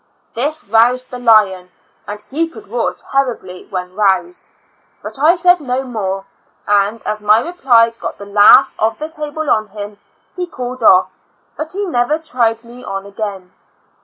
This roused the lion — and he could roar terribly when roused — but I said no more, and as my reply got the laugh of the table on him, he cooled off, but he never tried me on again.